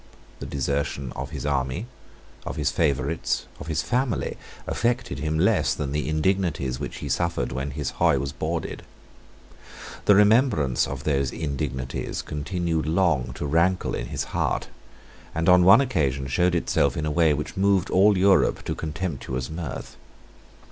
The desertion of his army, of his favourites, of his family, affected him less than the indignities which he suffered when his hoy was boarded. The remembrance of those indignities continued long to rankle in his heart, and on one occasion showed itself in a way which moved all Europe to contemptuous mirth.